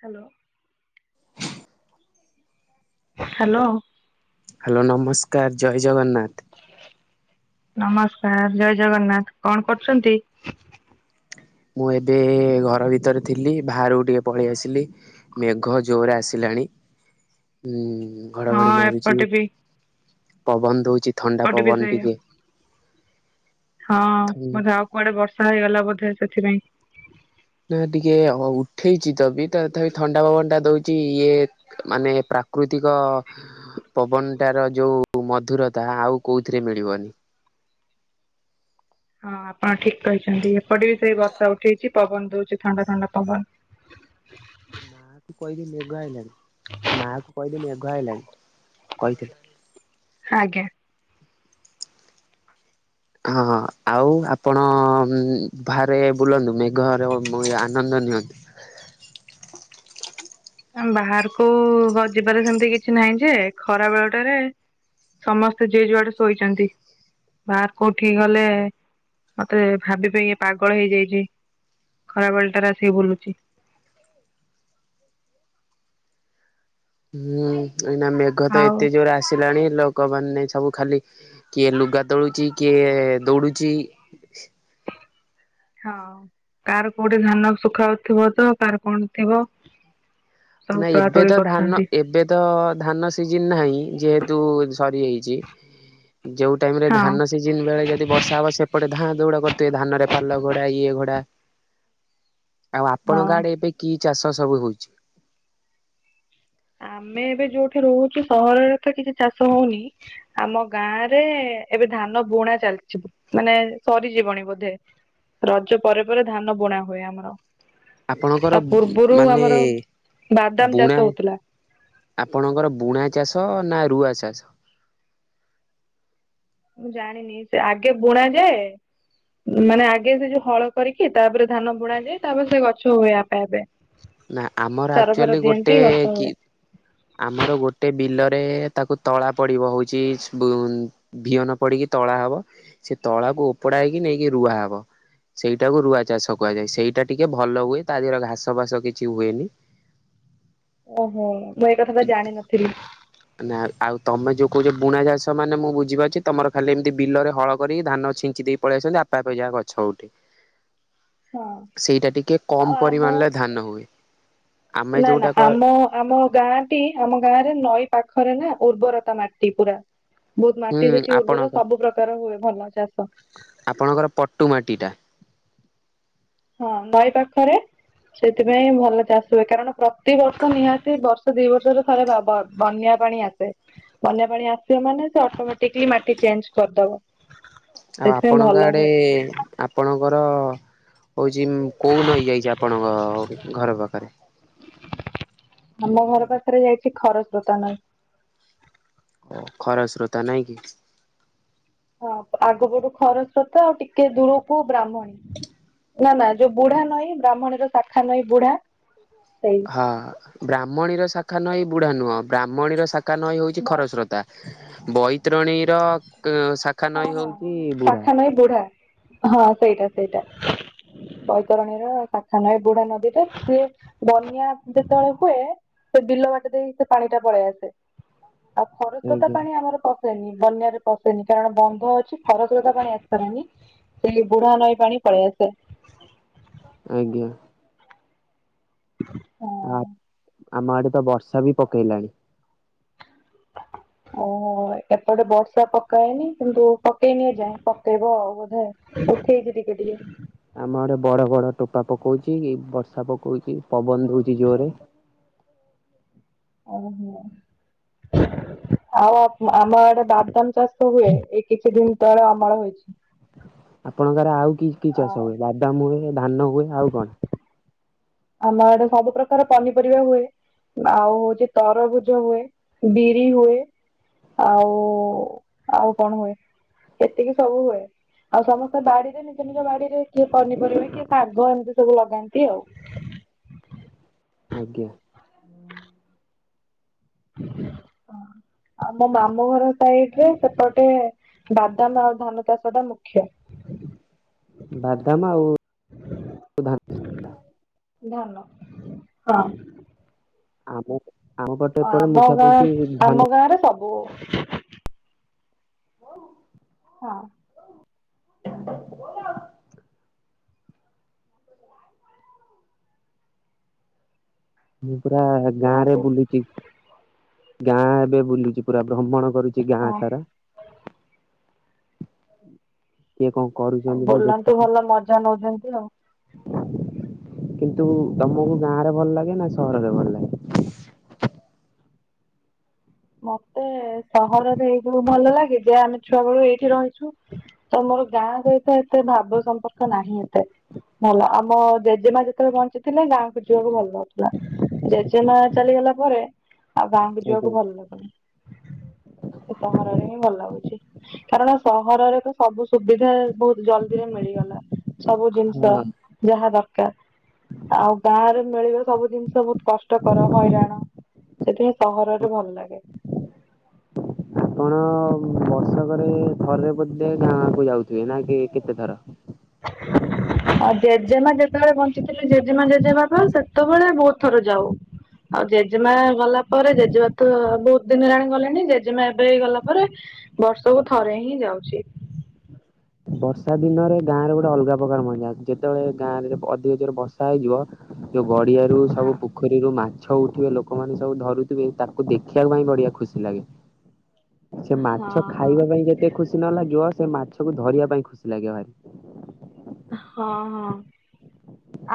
Hello. Hello [inaudible] hello ନମସ୍କାର ଜୟ ଜଗନ୍ନାଥ। ନମସ୍କାର ଜୟ ଜଗନ୍ନାଥ କଣ କରୁଛନ୍ତି। [inaudible] ମୁଁ ଏବେ ଘର ଭିତରେ ଥିଲି ବାହାରକୁ ଟିକେ ପଳେଇ ଆସିଲି ମେଘ ଜୋରରେ ଆସିଲା। ଣି [inaudible] ହୁଁ। ହଁ ଘଡଘଡି ମାରୁଛି। ଏପଟେ ବି [inaudible] ପବନ ଦଉଛି ଥଣ୍ଡା ଏପଟେ ବି ପବନ ସେଇଆ ଟିକେ ହଁ ବୋଧେ ଆଉ କୁଆଡେ ବର୍ଷା ହେଇଗଲା ବୋଧେ ସେଥିପାଇଁ ନା ଟିକେ ଉଠେଇଚ ତ ବି ତ ତଥାପି ଥଣ୍ଡା ପବନ ଟା ଦଉଛି। ଇଏ ମାନେ ପ୍ରାକୃତିକ ପବନ ଟାର ଯୋଉ ମଧୁରତା ଆଉ କୋଉଥିରେ ମିଳିବନି। [inaudible] ହଁ ଆପଣ ଠିକ କହିଛନ୍ତି। ଏପଟେ ବି ସେଇ ବର୍ଷା ଉଠେଇଛି ପବନ ଦଉଛି ଥଣ୍ଡା ଥଣ୍ଡା ପବନ। [inaudible] ମା କୁ କହିଲି ମେଗ ଆଇଲାଣି ମା କୁ କହିଲି ମେଘ ମେଘ ଆଲାଣି କହିଥିଲି। ଆଜ୍ଞା। ହଁ ଆଉ ଆପଣ ବାହାରେ ବୁଲନ୍ତୁ ମେଘର ଆନନ୍ଦ ନିଅନ୍ତି। [inaudible] ବାହାରକୁ ହ ଯିବାରେ ସେମତି କିଛି ନାହିଁ ଯେ ଖରା ବେଳ ଟାରେ ସମସ୍ତେ ଜେ ଯୁଆଡେ ଶୋଇଛନ୍ତି। ବାହାର କୋଉ ଠିକ ଗଲେ ମତେ ଭାବିବେ ଇଏ ପାଗଳ ହେଇଯାଇଛି। ଖରାବେଳ ଟାରେ ଆସିକି ବୁଲୁଛି। [inaudible] ହୁଁ ଏଇନା ମେଘ ତ ଆଉ ଏତେ ଜୋରେ ଆସିଲାଣି ଲୋକମାନେ ସବୁ ଖାଲି କିଏ ଲୁଗା ତୋଳୁଛି କିଏ ଦୌଡୁଛି [inaudible] ହଁ ତାର କୋଉଠି ଧାନ ଶୁଖାଉଥିବ ତ କାର କଣ ଥିବ। ସବୁ ନା ତୋଳା ଏବେ ତୋଳି ତ ଧାନ କରୁଛନ୍ତି। ଏବେ ତ ଧାନ ସିଜନ ନାହିଁ ଯେହେତୁ ସରି ଯାଇଛି। [inaudible] ଯୋଉ ଟାଇମ ରେ ହଁ। ଧାନ ସିଜନ ବେଳେ ଯଦି ବର୍ଷା ହବ ସେପଟ ଧାଁ ଦୌଡ କରୁଥିବେ ଧାନରେ ପାଲ ଘୋଡା ଇଏ ଘୋଡା। ଆଉ ଆପଣଙ୍କ ହଁ ଆଡେ ଏବେ କି ଚାଷ ସବୁ ହଉଛି? ଆମେ ଏବେ ଯୋଉଠି ରହୁଛୁ ସହରରେ ତ କିଛି ଚାଷ ହଉନି ଆମ ଗାଁରେ ଏବେ ଧାନ ବୁଣା ଚାଲିଛିି ମାନେ ସରିଯିବଣି ବୋଧେ ରଜ ପରେ ପରେ ଧାନ ବୁଣା ହୁଏ ଆମର। ଆପଣଙ୍କର ତା ପୂର୍ବରୁ ମାନେ ଆମର ବାଦାମ ବୁଣା ଚାଷ ହୋଉଥିଲା। ଆପଣଙ୍କର ବୁଣା ଚାଷ ନା ରୁଆ ଚାଷ? [inaudible] ମୁଁ ଜାଣିନି ସେ ଆଗେ ବୁଣା ଯାଏ ମାନେ ଆଗେ ସେ ଯୋଉ ହଳ କରିକି ତାପରେ ଧାନ ବୁଣାାଯାଏ ତାପରେ ସେ ଗଛ ହୁଏ ଆପେ ଆପେ। ନା ଆମର ସାର ଫାର ଆକ୍ଚୁଆଲି ଦିଅନ୍ତି ଗୋଟେ ଗଛ କି ହୁଏ। ଆମର ଗୋଟେ ବିଲରେ ତାକୁ ତଳା ପଡିବ ହଉଛି ଭୁ ଭିହନ ପଡିକି ତଳା ହବ, ସେ ତଳାକୁ ଉପଡା ହେଇକି ନେଇକି ରୁଆ ହବ। ସେଇଟାକୁ ରୁଆ ଚାଷ କୁହାଯାଏ, ସେଇଟା ଟିକେ ଭଲ ହୁଏ ତା ଦେହରେ ଘାସଫାସ କିଛି ହୁଏନି। ଓହୋଃ। ନା ଆଉ ତମେ ଯୋଉ କହୁଛ ବୁଣା ଚାଷ ମାନେ ମୁଁ ବୁଝିପାରୁଛି ତମର ଖାଲି ଏମିତି ବିଲରେ ହଳ କରି ଧାନ ଛିଞ୍ଚି ଦେଇ ପଳେଇ ଆସନ୍ତି ଆପେ ଆପେ ଯାହା ଗଛ ଉଠେ। ହ। ସେଇଟା ଟିକେ କମ୍ ଆମ ପରିମାଣରେ ଧାନ ହୁଏ। ଆମେ ନା ନା ଯୋଉଟା କ ଆମ ଆମ ଗାଁ ଟି ଆମ ଗାଁ ରେ ନଈ ପାଖରେ ନା ଉର୍ବରତା ମାଟି ପୁରା ବହୁତ ହୁଁ ମାଟି ସେଠି ଉର୍ବର ଆପଣଙ୍କ ସବୁ ପ୍ରକାର ହୁଏ ଭଲ ଚାଷ୍। ଆପଣଙ୍କର ପଟୁ ମାଟିଟା ହଁ ନଈ ପାଖରେ। ସେଥିପାଇଁ ଭଲ ଚାଷ ହୁଏ, କାରଣ ପ୍ରତି ବର୍ଷ ନିହାତି ବର୍ଷେ ଦି ବର୍ଷରେ ଥରେ ବା-ବା ବନ୍ୟା ପାଣି ଆସେ, ବନ୍ୟା ପାଣି ଆସିବ ମାନେ ସେ ଅଟୋମେଟିକଲି ମାଟି ଚେଞ୍ଜ୍ କରିଦବ। ଆଉ ସେଥିପାଇଁ ଭଲ ଆପଣଙ୍କ ଆଡେ ହୁଏ। ଆପଣଙ୍କ ରଅ-ଅ ହଉଛି କୋଉ ନଈ ଯାଇଛି ଆପଣଙ୍କଅ-ଅ-ଅ ଘର ପାଖରେ? ଆମ ଘର ପାଖରେ ଯାଇଛି ଖରସ୍ରୋତା ନଈ। ଓ ଖରାସ୍ରୋତା ନାଇଁ କି? ହଁ ଆଗପଟୁ ଖରସ୍ରୋତା ଆଉ ଟିକେ ଦୂରକୁ ବ୍ରାହ୍ମଣୀ। ନା-ନା ଯୋଉ ବୁଢା ନଈ ବ୍ରାହ୍ମଣୀର ଶାଖା ନଈ ବୁଢା ସେଇ ହଁ, ବ୍ରାହ୍ମଣୀର ଶାଖା ନଈ ବୁଢା ନୁହଁ ବ୍ରାହ୍ମଣୀର ଶାଖ୍ ଶାଖା ନଈ ହେଉଛି ବୈ ଖରସ୍ରୋତା, ବୈତରଣୀର ଶାଖା ହଁ ନଈ ହଁ ହଉଛି ବୁଢା। ଶାଖା ନଈ ବୁଢା ହଁ ସେଇଟା ସେଇଟା। ବୈତରଣୀର ଶାଖା ନଈ ବୁଢା ନଦୀରେ ସିଏ ବନ୍ୟା ଯେତେବେଳେ ହୁଏ ସେ ବିିଲ ବାଟ ଦେଇ ସେ ପାଣିଟା ପଳେଇ ଆସେ। ଆଉ ଖରସ୍ରୋତା ଆଜ୍ଞା ପାଣି ଆମର ପଶେନି ବନ୍ୟାରେ ପଶେନି। କାରଣ ବନ୍ଧ ଅଛି ଖରସ୍ରୋତା ପାଣି ଆସିପାରେନି, ସେଇ ବୁଢା ନଈ ପାଣି ପଳେଇ ଆସେ। ଁ ଆଜ୍ଞା। ହଁ। ଆ ଆମ ଆଡେ ତ ବର୍ଷା ବି ପକେଇଲାଣି। ହ ଓହୋଃ ଏପଟେ ବର୍ଷା ପକାଇନି କିନ୍ତୁ ପକେଇନି ଏଯାଏଁ ପକେଇବ ଆଉ ବୋଧେ। ପକେଇଛି ଟିକେ ଟିକେ। ଆମ ଆଡେ ବଡ଼ ବଡ଼ ଟୋପା ପକଉଛି ବର୍ଷା ପକଉଛି ପବନ ଦଉଛି ଜୋରରେ। ଓହୋଃ। ଆଉ ଆ ଆମ ଆଡେ ବାଦାମ ଚାଷ ହୁଏ, ଏଇ କିଛି ଦିନ ତଳେ ଆମର ହେଇଛି। ଆପଣଙ୍କର ଆଉ କି କି ଆଉ ଚାଷ ହୁଏ ବାଦାମ ହୁଏ ଧାନ ହୁଏ ଆଉ କଣ? ଆମଆଡେ ସବୁ ପ୍ରକାର ପନିପରିବା ହୁଏ। ଆଉ ହଉଛି ତରଭୁଜ ହୁଏ, ବିରି ହୁଏ। ଆଉ ଆଉ କଣ ହୁଏ ଏତିକି ସବୁ ହୁଏ‌ ଆଉ ସମସ୍ତେ ବାଡିରେ ନିଜ ନିଜ ବାଡିରେ କିଏ ପନିପରିବା କିଏ ଶାଗ ଏମିତି ସବୁ ଲଗାନ୍ତି ଆଉ‌ ଆଜ୍ଞା। ଆଉ ମୋ ମାମୁଁ ଘର ସାଇଟରେ ସେପଟେ ବାଦାମ ଆଉ ଧାନ ଚାଷଟା ମୁଖ୍ୟ। ବାଦାମ ଆଉ ଧାନ। ଧାନ ହଁ। ଆମ [inaudible] ଏପଟେ ଆମ ମୁଖ୍ୟ ଗାଁ ହଉଛି ଧାନ ଆମ ଗାଁରେ ସବୁ ହଁ। [inaudible] ମୁଁ ପୁରା ଗାଁ ରେ କୁହନ୍ତୁ। ବୁଲୁଛି ଗାଁ ଏବେ ବୁଲିୁଛି ପୁରା ଭ୍ରମଣ କରୁଛି ଗାଁ ହଁ ସାରା। କିଏ କଣ କରୁଛନ୍ତି ମୁଁ ବୁଲନ୍ତୁ ଦେଖୁଛି। ଭଲ ମଜା ନଉଛନ୍ତି ଆଉ। କିନ୍ତୁ ତମକୁ ଗାଁରେ ଭଲ ଲାଗେ ନା ସହରରେ ଭଲ ଲାଗେ? [inaudible] ମତେ ସହରରେ ଏଇବୁ ଭଲ ଲାଗେ ଯେ ଆମେ ଛୁଆ ବେଳୁ ଏଇଠି ରହିଛୁ ତ ଆମର ଗାଁ ସହିତ ଏତେ ଭାବ ସମ୍ପର୍କ ନାହିଁ ଏତେ। ଭଲ ଆମ ଜେଜେମା ଯେତେବେଳେ ବଞ୍ଚିଥିଲେ ଗାଁକୁ ଯିବାକୁ ଭଲ ନଉଥିଲା ଜେଜେମା ଚାଲି ଗଲା ପରେ ଆଉ ଗାଁକୁ ଯିବାକୁ ଆଜ୍ଞା ଭଲ ଲାଗୁନି ସହରରେ ହିଁ ଭଲ ଲାଗୁଛି। କାରଣ ସହରରେ ତ ସବୁ ସୁବିଧା ବହୁତ ଜଲଦି ରେ ମିଳିଗଲା। ସବୁ ଜିନିଷ ହଁ ଯାହା ଦରକାର ଆଉ ଗାଁରେ ମିଳିବ ସବୁ ଜିନିଷ ବହୁତ କଷ୍ଟକର ହଇରାଣ ସେଥିପାଇଁ ସହରରେ ଭଲ ଲାଗେ। ଆପଣ ବର୍ଷକରେ ଥରେ ବୋଧେ ଗାଁକୁ ଯାଉଥିବେ ନା କି କେତେ ଥର? [inaudible] ହଉ ଜେଜେମା ଯେତେବେଳେ ବଞ୍ଚିଥିଲେ ଜେଜେମା ଜେଜେମା ତ ସେତେବେଳେ ବହୁଉତ ଥର ଯାଉ। ଆଉ ଜେଜେମା ଗଲା ପରେ ଜେଜେମା ତ ବହୁତ ଦିନ ହେଲାଣି ଗଲେଣି ଜେଜେମା ଏବେ ହେଇ ଗଲା ପରେ ବର୍ଷକୁୁ ଥରେ ହିଁ ଯାଉଛି। ବର୍ଷା ଦିନରେ ଗାଁରେ ଗୋଟେ ଅଲଗା ପ୍ରକାର ମଞ୍ା ଯେତେବେଳେ ଗାଁ ରେ ଅଧିକ ଜୋର ବର୍ଷା ହେଇଯିବ ଗଡ଼ିଆରୁ ସବୁ ହଁ। ପୋଖରୀରୁ ମାଛ ଛ ଉଠିବେ ଲୋକମାନେ ସବୁ ଧରୁଥିବେ ତାକୁ ଦେଖିବାକୁ ପାଇଁ ବଢିଆ ଖୁସି ଲାଗେ। ସେ ମାଛ ହଁ ହଁ ଖାଇବା ପାଇଁ ଯେତେ ଖୁସି ନ ଲାଗିବ ସେ ମାଛକୁ ଧରିବା ଖୁସି ଲାଗେ ଭାରି। ହଁ ହଁ।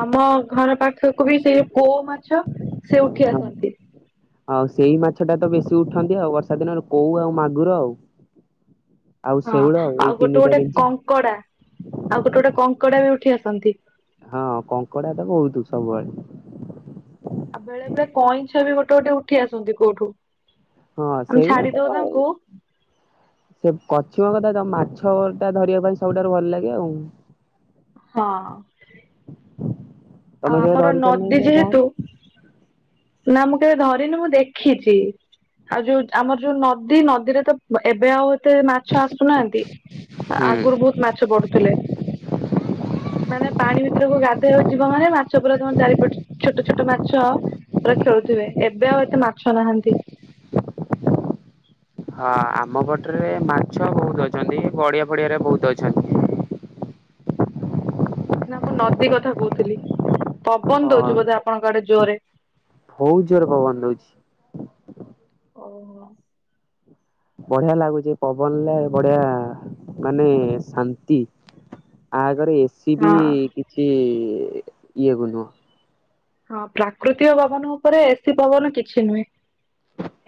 ଆମ ଘର ପାଖକୁ ବି ସେ କୋଉ ମାଛ ସେ ଉଠି ହଁ ଆସନ୍ତି। ଆଉ ସେଇ ମାଛ ଟା ତ ବେଶୀ ଉଠନ୍ତି ଆଉ ବର୍ଷା ଦିନରେ କଉ ଆଉ ମାଗୁର। ଆଉ ହଁ ଶେଉଳ ଏଇ ଆଉ ଗୋଟେ ତିନିଟା ଗୋଟେ ଜିନିଷ। କଙ୍କଡା ଆଉ ଗୋଟେ ଗୋଟେ କଙ୍କଡା ବି ଉଠି ଆସନ୍ତି। ହଁ କଙ୍କଡା ତ ବହୁତ ସବୁବେଳେ। ଆଉ ବେଳେ ବେଳେ କଇଁଛ ବି ଗୋଟେ ଗୋଟେ ଉଠି ଆସନ୍ତି କୋଉଠୁ। ହଁ ଆମେ ସେଇଗୁଡା ଛାଡିଦଉ ତ ତାଙ୍କୁ ସେ କଛିମ କଥା ତ ମାଛ ଟା ଧରିବା ପାଇଁ ସବୁଠାରୁ ଭଲ ଲାଗେ ଆଉ। ହଁ। ତମେ କେବେ ଆମର ଧରିଛ ନଦୀ ନା ଗାଁରେ? ଯେହେତୁ ନା ମୁଁ କେବେ ଧରିନି ମୁଁ ଦେଖିଛି। ଆଉ ଯୋଉ ଆମର ନଦୀ ନଦୀରେ ତ ଏବେ ଆଉ ଏତେ ମାଛ ଆସୁନାହାନ୍ତି ଆଗରୁ ହୁଁ ବହୁତ ମାଛ ପଡୁଥିଲେ। ମାନେ ପାଣି ଭିତରକୁ ଗାଧୋଇଉଛି ଜୀବ ମାନେ ମାଛ ପୁରା ତମର ଚାରିପଟ ଛୋଟଛୋଟ ମାଛ ଆ ପୁରା ଖେଳୁଥିବେ ଏବେ ଆଉ ଏତେ ମାଛ ନାହାନ୍ତି। ହଁ ଆମ ପଟରେ ମାଛ ବହୁତ ଅଛନ୍ତି ଗଡ଼ିଆ ଗଡିଆରେ ବହୁତ ଅଛନ୍ତି। ହ ନା ମୁଁ ନଦୀ କଥା କହୁଥିଲି ପବନ ହଁ ଦଉଛି ବୋଧେ ଆପଣଙ୍କ ଆଡେ ଜୋରରେ। ବହୁତ ଜୋର ପବନ ଦଉଛି। ଓ ହୋ। ବଢିଆ ଲାଗୁଛି ପବନରେ ବଢିଆ ମାନେ ଶାନ୍ତି ଆ ଆଗରେ ଏସି ବି ହଁ କିଛି କି ନୁହଁ। ହଁ ପ୍ରାକୃତିକ ପବନ ଉପରେ ଏସି ପବନ କିଛି ନୁହେଁ।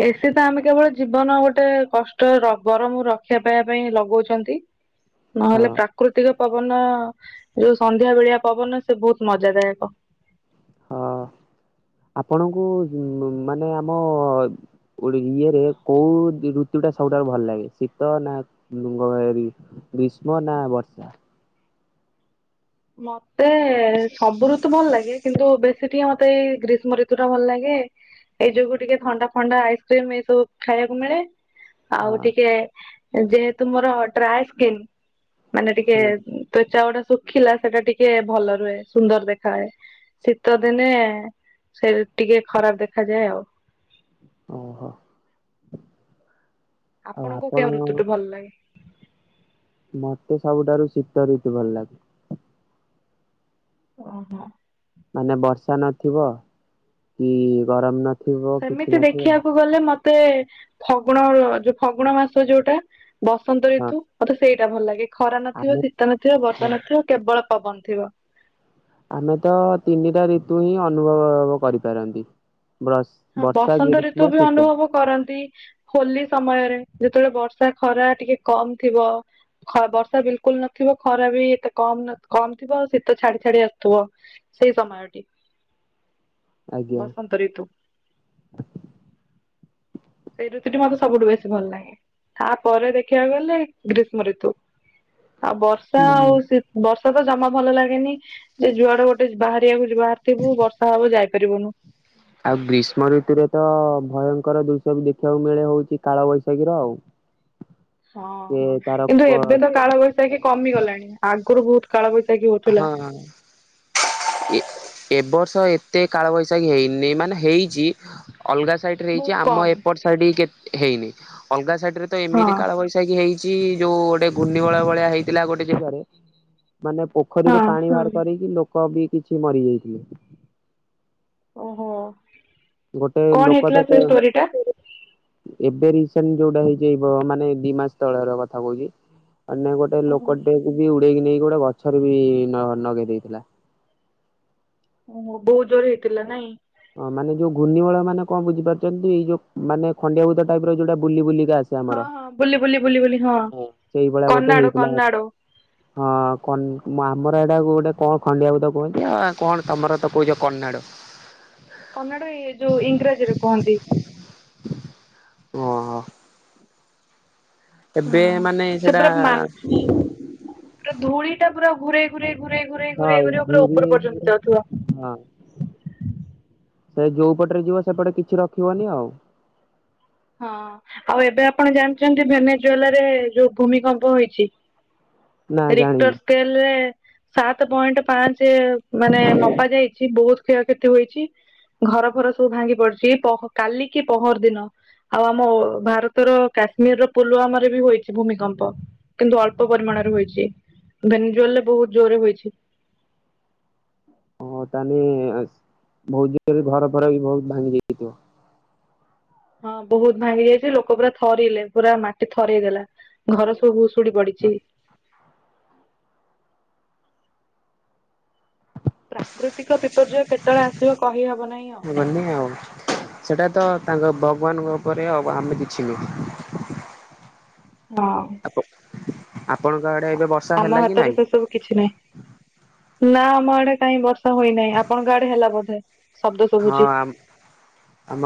ଏସି ତ ଆମେ କେବଳ ଜୀବନ ଗୋଟେ କଷ୍ଟ ରଗରମରକ୍ଷା ପାଇବା ପାଇଁ ଲଗାଉଛନ୍ତି। ନହେଲେ ହଁ ପ୍ରାକୃତିକ। ପବନ ଯୋଉ ସନ୍ଧ୍ୟା ବେଳିଆ ପବନ ସେ ବହୁତ ମଜା ଦାୟକ। ହଁ ଆପଣଙ୍କୁ ମାନେ ଆମ ଓଡ଼ି ଇଏରେ କୋଉ ଦି ଋତୁ ଟା ସବୁଠୁ ଭଲ ଲାଗେ ଶୀତ ନା [unintelligible] ଗ୍ରୀଷ୍ମ ନା ବର୍ଷା। ମତେ ସବୁ ଋତୁ ଭଲ ଲାଗେ। କିନ୍ତୁ ବେଶୀ ଟିକେ ମତେ ଏଇ ଗ୍ରୀଷ୍ମ ଋତୁ ଟା ଭଲ ଲାଗେ। ଏଇ ଯୋଗୁ ଟିକେ ଥଣ୍ଡା ଥଣ୍ଡା ଆଇସ୍କ୍ରିମ ଏଇ ସବୁ ଖାଇବାକୁ ମିଳେ। ଆଉ ହଁ ଟିକେ ଯେହେତୁ ମୋର ଡ୍ରାଏ ସ୍କିନ ମାନେ ଟିକେ ହୁଁ। ତ୍ୱଚା ଶୁଖିଲା ସେଟା ଟିକେ ଭଲ ରୁହେ ସୁନ୍ଦର ଦେଖା ହଏ। ଶୀତ ଦିନେ ସେ ଟିକେ ଖରାପ ଦେଖାାଯାଏ ଆଉ। ଓହୋ ଆଉ ଆପଣଙ୍କୁ କେଉଁ ଋତୁ ଆପଣ ଟୁ ଭଲ ଲାଗେ? ମତେ ସବୁଠାରୁ ଶୀତ ଋତୁ ଭଲ ଲାଗେ। ଓହୋ ମାନେ ବର୍ଷା ନଥିବ ଉଁ ଗରମ ନ ସେମିତି ଦେଖିବାକୁ ଗଲେ ମତେ ମତେ ଫଗୁଣ ଫଗୁଣ ମାସ ଯୋଉଟା ବସନ୍ତ ହଁ ଋତୁ ମତେ ସେଇ ଖରା ନଥିବ ଆମେ ଶୀତ ନଥିବ ହଁ ବର୍ଷା ନଥିବ କେବଳ ପବନ ଥିବ। ଆମେ ତ ତିନିଟା ଋତୁ ହିଁ ଅନୁଭବ କରିପାରନ୍ତି। ବ୍ରସ୍ ଅଁ ବର୍ଷା ବସନ୍ତ ଋିତୁ ଗ୍ରୀଷ୍ମ ବି ଶୀତ ଅନୁଭବ କରନ୍ତି ହୋଲି ସମୟରେ ଯେତେବେଳେ ବର୍ଷ ସେ ଖରା ଟିକେ କମ୍ ଥିବ। ଖ ବର୍ଷା ବିଲକୁଲ୍ ନଥିବ ଖରା ବି ଏତେ କମ ନ କମ୍ ଥିବ ଶୀତ ଛାଡି ଛାଡି ଆସୁଥିବ। ସେଇ ସମୟଟି ଆଜ୍ଞା। ବସନ୍ତ ଋତୁ। [inaudible] ସେଇ ଋତୁ ଟି ମତେ ସବୁଠୁ ବେଶୀ ଭଲ ଲାଗେ। ତାପରେ ଦେଖିବାକୁ ଗଲେ ଗ୍ରୀଷ୍ମ ଋତୁ ଆ ବର୍ଷା ହୁଁ ଆଉ ଶି ବର୍ଷ ସେତ ଜମା ଭଲ ଲାଗେନି ଯେ ଯୁଆଡେ ଗୋଟେ ବାହାରିଆକୁ ଯ ବାହାରିଥିବୁ ବର୍ଷା ହବ ଯାଇପାରିବୁନୁ। ଆଉ ଗ୍ରୀଷ୍ମ ଋତୁରେ ତ ଭୟଙ୍କର ଦୃଶ୍ୟ ବି ଦେଖିଆକୁ ମିଳେ ହଉଛି କାଳ ବୈଶାଖୀ ର ଆଉ। ହଁ ସେ ତାର କିନ୍ତୁ କ ଏବେ ତ କାଳବୈଶାଖୀ କମିଗଲାଣି ଆଗରୁ ବହୁତ୍ କାଳବୈଶାଖୀ ହଉଥିଲା। ହଁ। [inaudible] [unintelligible] ଏ ଏ ବର୍ଷ ଏତେ କାଳ ବୈଶାଖୀ ହେଇନି ମାନେ ହେଇଚି। ଅଲଗା ସାଇଟ୍ ରେ ହେଇଚ଼ି ବହୁତ ଆମ କମ୍। ଏପଟ ସାଇଡ କେ ହେଇନି ଅଲଗା ସାଇଡ୍ ରେ ତ ହଁ ଏମିତି କାଳବୈଶା ହେଇଚ଼ି ଯୋଉ ଗୋଟେ ଘୂର୍ଣ୍ଣିବଳୟ ଭଳିଆ ହେଇଥିଲା ଗୋଟେ ଯେଗାରେ ମାନେ ହଁ। ପୋଖରୀରୁ ପାଣି ବାହାର କରିକି ଲୋକ ବି କିଛି ମରି ଯାଇଥିଲେ। ଓହୋ କଣ ଲୋକ ତ ହେଇଥିଲା ସେ ଷ୍ଟୋରି ଟା? ଏବେ ରିସେଣ୍ଟ ଯୋଉଟା ହେଇଚ଼ି ଏ ବ ମାନେ ଏ ଦି ମାସ ତଳର କଥା କହୁଛି। ଆନେ ଗୋଟେ ଲୋକ ଓହୋ। ଲୋକଟେକୁ ବି ଉଡେଇକି ନେଇକି ଗୋଟେ ଗଛରେ ବି ନ-ନଗେଇ ଦେଇଥିଲା। ବହୁତ ଜୋର ହେଇଥିଲା ନାଇଁ। ଅଁ ମାନେ ଯୋଉ ଘୂର୍ଣ୍ଣିବଳୟ ମାନେ କଁ ବୁଝିପାରୁଚ଼ନ୍ତି ଏଇ ଯଉ ମାନେ ଖଣ୍ଡିଆ ଭୂତ ଟାଇପ୍ ର ଏ ଯୋଉଟା ବୁଲି ବୁଲି ହଁ ହଁ ବୁଲି ବୁଲି ବୁଲି ବୁଲି ହଁ ସେଇଭଳିଆ ଗୋଟେ କନାଡ଼ୋ ହେଇଥିଲା। କନାଡ଼ୋ। ହଁ ଖନ୍ ଆମର ଏଇଟାକୁ ଗୋଟେ କଁ ଖଣ୍ଡିଆ ଭୂତ କୁହନ୍ତି ଆ କଣ ତମର ତ କହୁଚ କନ୍ନାଡ। କନାଡ ଇ ଏ ଯୋଉ ଇଂରାଜୀରେ କହନ୍ତି। ଓହୋ। ଏବେ ଅଁ ମାନେ ସେ ସେଟା ପୁରା ମା ପୁରା ଧୂଳି ଟା ପୁରା ଘୁରେଇ ଘୁରେଇ ଘୁରେଇ ଘୁରେଇ ହଁ ଘୁରେଇ ଘୁରେଇ ପୁରା ଘୁରି ଉପର ପର୍ଯ୍ୟନ୍ତ ଯାଉଥିବ। ହଁ। ସେ ଯୋଉ ପଟରେ ଯିବ ସେପଟେ କିଛି ରଖିବନି ଆଉ। ହଁ ଆଉ ଏବେ ଆପଣ ଜାଣିଚନ୍ତି ଭେନେଜ୍ବଲା ରେ ଯୋଉ ଭୂମିକମ୍ପ ହେଇଛି। ନା ରିକଟର ଜାଣିନି ସ୍କେଲରେ ସାତେ ପଏଣ୍ଟ ପାଞ୍ଚେ ମାନେ ମପା ଯାଇଛି ଠି ବହୁତ୍ କ୍ଷୟକ୍ଷତି ହୋଇଛି। ଘର ଫର ସବୁ ଭାଙ୍ଗି ପଡିଛି ପହ କାଲି କି ପହର ଦିନ। ଆଉ ଆମ ଓ ଭାରତର କାଶ୍ମୀର ର ପୁଲୱାମାରେ ବି ହୋଇଚି ଭୂମିକମ୍ପ କିନ୍ତୁ ଅଳ୍ପ ପରିମାଣରେ। ହୋଇଚ଼ି ଭେନ୍ଜୋଲ୍ ରେ ବହୁତ ଜୋରେ ହୋଇଛି। ହଁ ତାନେ ବହୁତ ଜୋରେ ଘର ଫର ବି ବହୁତ ଭାଙ୍ଗି ଯାଇଥିବ। ହଁ ବହୁତ ଭାଙ୍ଗି ଯାଇଛି ଲୋକ ପୁରା ଥରିଲେ ପୁରା ମାଟି ଥରେଇ ଦେଲା ଘର ସବୁ ଭୁସ୍ ଉପୁଡ଼ି ପଡ଼ିଛି। ପ୍ରାକୃତିକ ବିପର୍ଯ୍ୟୟ କେତେବେଳେ ଆସିବ କହି ହବନାହିଁ ଆଉ। ଗନି ଆଉ ସେଟା ତ ତାଙ୍କ ଭଗବାନଙ୍କ ଉପରେ ଆମେ କିଛି ନୁହ। ହଁ। ଆପଣଙ୍କ ଆଡେ ଆ ଏବେ ବର୍ଷା ଆମ ହେଲା କି ହାତରେ ନାଇଁ? ସେ ସବୁ କିଛି ନାହିଁ। ନା ଆମ ଆଡେ କାଇଁ ବର୍ଷା ହୋଇନାହିଁ ଆପଣଙ୍କ ଆଡେ ହେଲା ବୋଧେ? ଶବ୍ଦ ହଁ ଶୁଭୁଛି। ଆମ୍ ଆମ